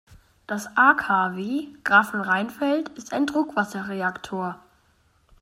Das AKW Grafenrheinfeld ist ein Druckwasserreaktor.